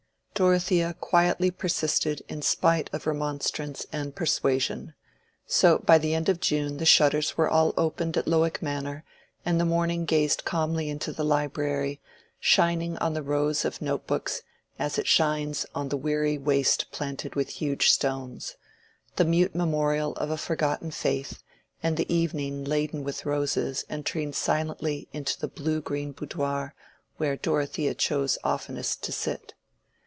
Dorothea quietly persisted in spite of remonstrance and persuasion. So by the end of June the shutters were all opened at Lowick Manor, and the morning gazed calmly into the library, shining on the rows of note books as it shines on the weary waste planted with huge stones, the mute memorial of a forgotten faith; and the evening laden with roses entered silently into the blue green boudoir where Dorothea chose oftenest to sit.